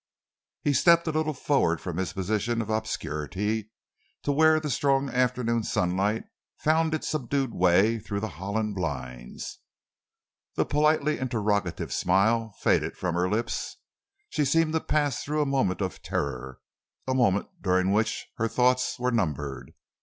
He stepped a little forward from his position of obscurity to where the strong afternoon sunlight found its subdued way through the Holland blinds. The politely interrogative smile faded from her lips. She seemed to pass through a moment of terror, a moment during which her thoughts were numbed.